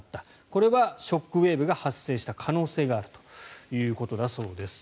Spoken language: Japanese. これはショックウェーブが発生した可能性があるということだそうです。